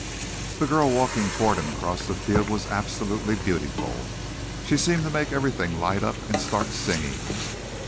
The girl walking toward him across the field was absolutely beautiful. She seemed to make everything light up and start singing.